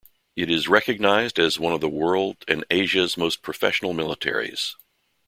It is recognized as one of the world and Asia's most professional militaries.